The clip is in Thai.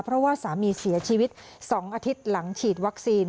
เพราะว่าสามีเสียชีวิต๒อาทิตย์หลังฉีดวัคซีน